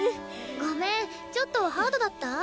ごめんちょっとハードだった？